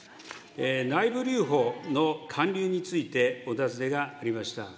内部留保の還流についてお尋ねがありました。